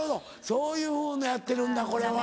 そういうのやってるんだこれは。